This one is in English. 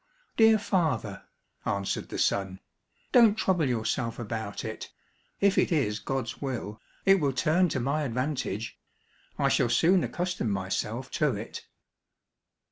"Dear father," answered the son, "don't trouble yourself about it, if it is God's will, it will turn to my advantage I shall soon accustom myself to it."